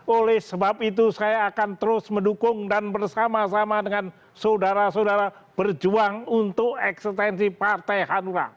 oleh sebab itu saya akan terus mendukung dan bersama sama dengan saudara saudara berjuang untuk eksistensi partai hanura